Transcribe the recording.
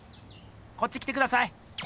こっち来てください！